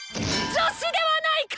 女子ではないか！